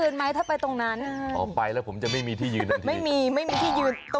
ได้แต่ตั้งใจไปเลย